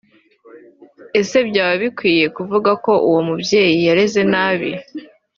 Ese byaba bikwiriye kuvuga ko uwo mubyeyi yareze nabi